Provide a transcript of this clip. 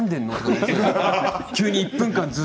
急に１分間。